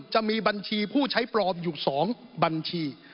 จะมีบัญชีผู้ใช้ปลอมอยู่๒บัญชี